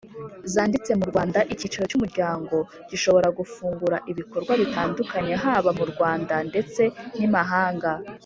zanditse mu Rwanda Icyicaro cy umuryango gishobora gufungura ibikorwa bitandukanye haba mu Rwanda ndetse n’imahanga.